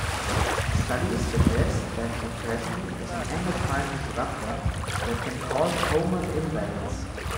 Studies suggest that atrazine is an endocrine disruptor that can cause hormone imbalance.